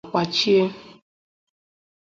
a kwachie